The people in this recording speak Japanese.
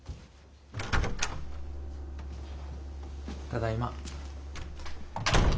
ただいま。